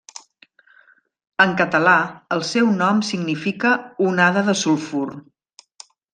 En català, el seu nom significa: 'onada de sulfur'.